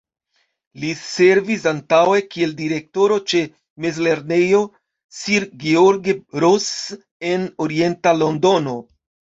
Li servis antaŭe kiel Direktoro ĉe Mezlernejo Sir George Ross en orienta Londono.